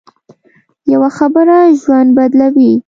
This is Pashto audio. یوه خبره ژوند بدلوي